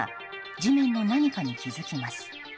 地面の何かに気づきます。